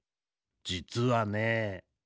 じつはね。